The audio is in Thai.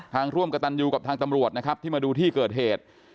ร่วมกับตันยูกับทางตำรวจนะครับที่มาดูที่เกิดเหตุ